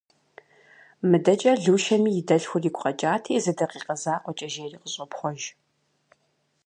Мыдэкӏэ Лушэми и дэлъхур игу къэкӏати, зы дакъикъэ закъуэкӏэ жери, къыщӏопхъуэж.